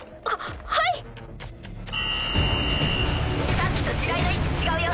さっきと地雷の位置違うよ。